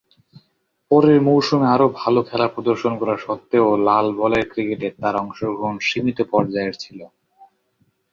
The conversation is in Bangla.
পরের মৌসুমে আরও ভালো খেলা প্রদর্শন করা সত্ত্বেও লাল বলের ক্রিকেটে তার অংশগ্রহণ সীমিত পর্যায়ের ছিল।